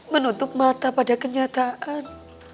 menutup mata pada kenyataan